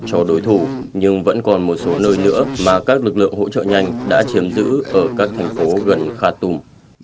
cho đối thủ nhưng vẫn còn một số nơi nữa mà các lực lượng hỗ trợ nhanh đã chiếm giữ ở các thành phố gần kha tùm